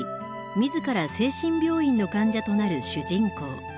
自ら精神病院の患者となる主人公。